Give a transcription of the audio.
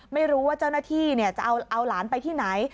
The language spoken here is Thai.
ไม่รู้ว่าเจ้าหน้าที่จะเอาหลานไปที่ไหน